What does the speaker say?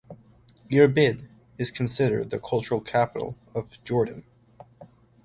Irbid is considered the cultural capital of Jordan.